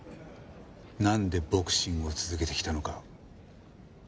なんでボクシングを続けてきたのか。